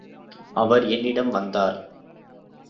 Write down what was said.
அவர் என்னிடம் வந்தார்.